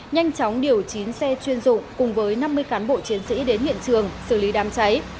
nhanh chóng điều chín xe chuyên dụng cùng với năm mươi cán bộ chiến sĩ đến hiện trường xử lý đám cháy